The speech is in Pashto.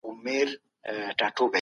مننه د ژوند د تېرو نېکیو یو یادګار دی.